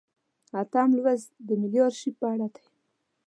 اتم لوست د ملي ارشیف په اړه دی.